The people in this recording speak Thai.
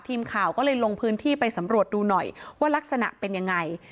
ทีมข่าวก็เลยลงพื้นที่ไปสำรวจดูหน่อยว่ารักษณะเป็นยังไง